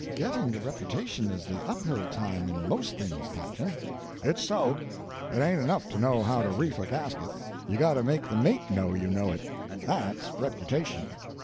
"Getting the reputation is the up hill time in most things, captain." "It's so. It ain't enough to know how to reef a gasket, you got to make the mate know you know it. That's reputation.